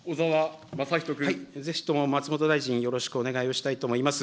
ぜひとも松本大臣、よろしくお願いをしたいと思います。